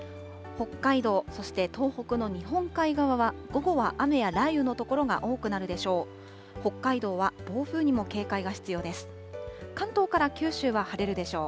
北海道、そして東北の日本海側は、午後は雨や雷雨の所が多くなるでしょう。